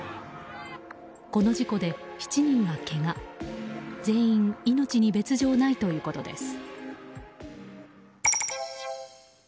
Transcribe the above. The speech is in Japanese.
この事故で７人がけが全員命に別条ないということです。